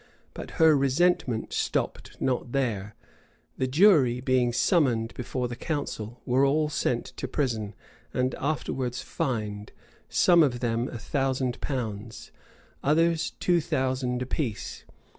But her resentment stopped not here: the jury, being summoned before the council, were all sent to prison, and afterwards fined, some of them a thousand pounds, others two thousand apiece.